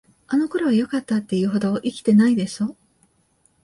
あの頃はよかった、って言うほど生きてないでしょ。